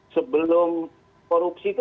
sebelum korupsi itu